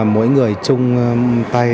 mỗi người chung tay